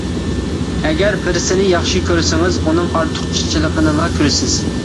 ئەگەر بىرسىنى ياخشى كۆرسىڭىز، ئۇنىڭ ئارتۇقچىلىقىنىلا كۆرىسىز.